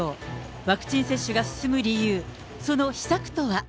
ワクチン接種が進む理由、その秘策とは。